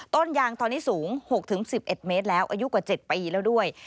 ต้นยางตอนนี้สูง๖๑๑เมตรแล้วอายุกว่า๗ปีแล้วด้วย